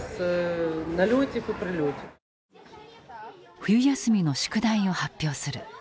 冬休みの宿題を発表する。